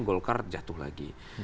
golkar jatuh lagi